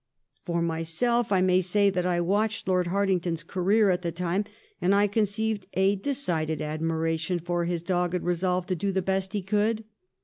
For myself, I may say that I watched Lord Hartingtons career at the time, and I conceived a decided admiration for his dogged resolve to do the best he could.